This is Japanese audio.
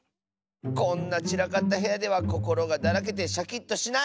こんなちらかったへやではこころがだらけてシャキッとしない！